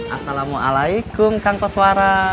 assalamu'alaikum kang koswara